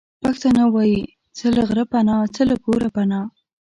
پښتانه وايې:څه له غره پنا، څه له کوره پنا.